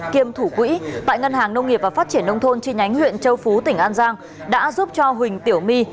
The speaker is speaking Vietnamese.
kiêm thủ quỹ tại ngân hàng nông nghiệp và phát triển nông thôn chi nhánh huyện châu phú tỉnh an giang đã giúp cho huỳnh tiểu my